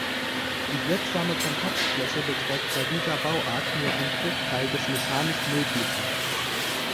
Die wirksame Kontaktfläche beträgt bei dieser Bauart nur ein Bruchteil des mechanisch Möglichen.